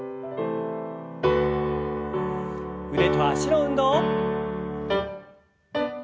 腕と脚の運動。